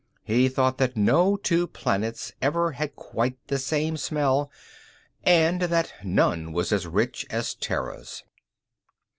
He thought that no two planets ever had quite the same smell, and that none was as rich as Terra's.